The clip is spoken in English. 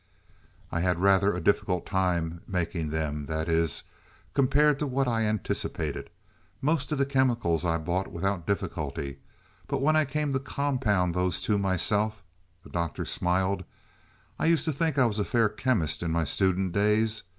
"I had rather a difficult time making them that is, compared to what I anticipated. Most of the chemicals I bought without difficulty. But when I came to compound those two myself" the Doctor smiled "I used to think I was a fair chemist in my student days.